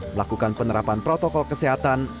melakukan penerapan protokol kesehatan